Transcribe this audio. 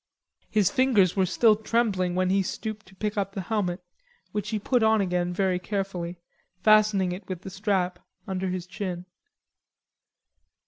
His fingers were still trembling when he stooped to pick up the helmet, which he put on again very carefully, fastening it with the strap under his chin.